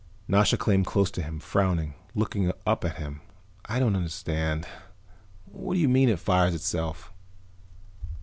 Nasha came close to him, frowning, looking up at him. "I don't understand. What do you mean, it fires itself?"